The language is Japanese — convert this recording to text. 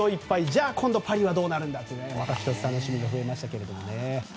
じゃあ今度パリはどうなるんだという楽しみが１つ増えましたけどね。